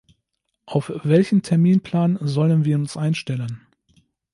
Auf welchen Terminplan sollen wir uns einstellen?